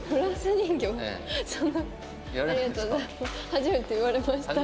初めて言われました。